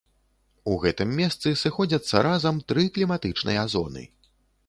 У гэтым месцы сыходзяцца разам тры кліматычныя зоны.